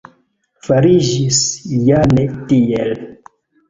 Fariĝis ja ne tiel.